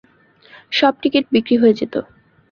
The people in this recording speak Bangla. সব টিকেট বিক্রি হয়ে যেত।